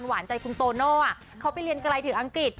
หวานใจคุณโตโน่เขาไปเรียนไกลถึงอังกฤษ